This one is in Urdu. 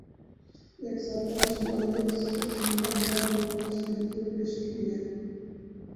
ایک ساتھ پانچ ہزار ایک سو سینما گھروں میں نمائش کے لیے پیش کی گئی